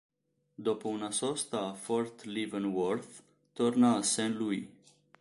Dopo una sosta a Fort Leavenworth torna a St. Louis.